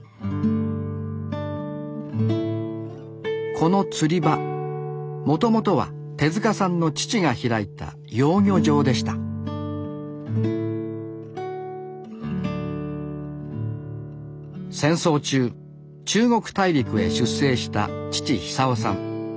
この釣り場もともとは手さんの父が開いた養魚場でした戦争中中国大陸へ出征した父久夫さん。